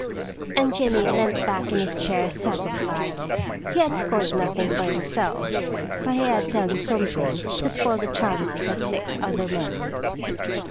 * And Jimmy leant back in his chair satisfied. He had scored nothing for himself, but he had done some thing to spoil the chances of six other men.